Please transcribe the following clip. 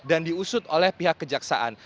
dan diusut oleh pihak kejaksaan